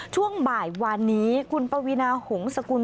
ช่วงบ่ายวานนี้คุณปวีนาหงษกุล